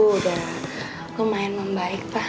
ibu udah lumayan membaik pak